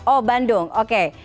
oh bandung oke